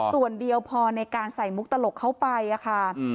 ส่วนเดียวพอในการใส่มุกตลกเข้าไปค่ะ